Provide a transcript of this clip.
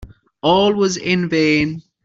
All was in vain.